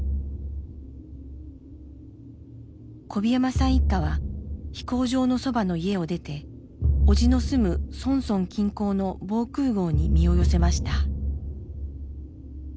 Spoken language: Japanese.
小檜山さん一家は飛行場のそばの家を出て叔父の住むソンソン近郊の防空壕に身を寄せました。